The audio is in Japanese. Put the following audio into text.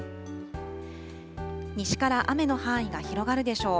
西から雨の範囲が広がるでしょう。